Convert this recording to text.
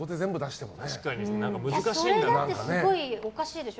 それだってすごいおかしいでしょ。